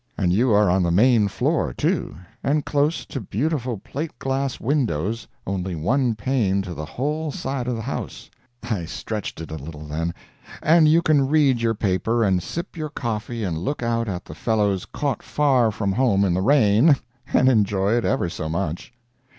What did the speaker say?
And you are on the main floor, too, and close to beautiful plate glass windows, only one pane to the whole side of the house, (I stretched it a little, then,) and you can read your paper and sip your coffee and look out at the fellows caught far from home in the rain, and enjoy it ever so much!